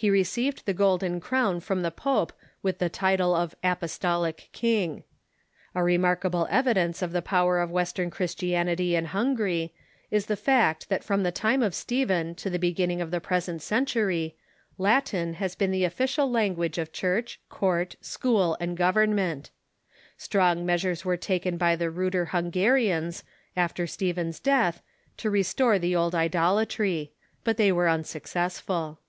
He received the golden crown from the pope with the title of apostolic king. A remarkable evi dence of the power of Western Christianity in Hungary is the fact that from the time of Stephen to the beginning of the present century Latin has been the official language of Church, court, school, and government. Strong measures were taken by the ruder Hungarians, after Stephen's death, to restore the old idolatry. But they were unsuccessful.